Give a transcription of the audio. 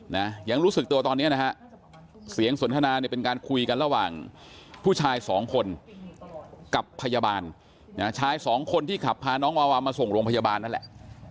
นะยังรู้สึกตัวตอนเนี้ยนะฮะเสียงสนทนาเนี่ยเป็นการคุยกันระหว่างผู้ชายสองคนกับพยาบาลนะฮะชายสองคนที่ขับพาน้องวาวามาส่งโรงพยาบาลนั่นแหละ